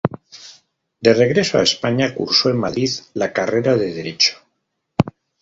De regreso a España, cursó en Madrid la carrera de derecho.